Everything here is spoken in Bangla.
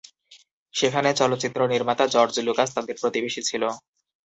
সেখানে চলচ্চিত্র নির্মাতা জর্জ লুকাস তাদের প্রতিবেশী ছিল।